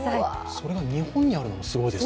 それが日本にあるのがすごいですね。